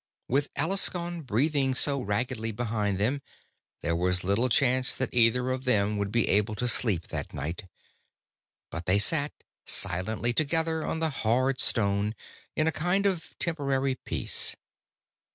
With Alaskon breathing so raggedly behind them, there was little chance that either of them would be able to sleep that night; but they sat silently together on the hard stone in a kind of temporary peace.